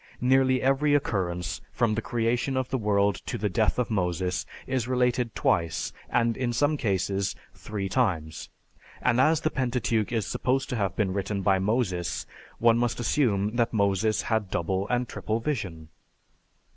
Nearly every occurrence, from the creation of the world to the death of Moses, is related twice and, in some cases, three times; and as the Pentateuch is supposed to have been written by Moses one must assume that Moses had double and triple vision.